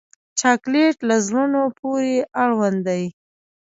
چاکلېټ له زړونو پورې اړوند دی.